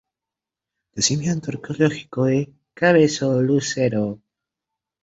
Yacimiento arqueológico de Cabezo Lucero.